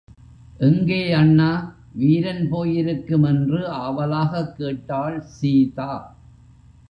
எங்கே அண்ணா வீரன் போயிருக்கும் என்று ஆவலாகக் கேட்டாள் சீதா.